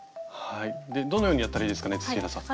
どのようにやったらいいですかね土平さん。